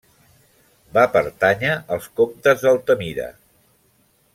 Va pertànyer als comtes d'Altamira.